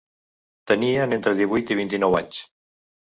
Tenien entre divuit i vint-i-nou anys.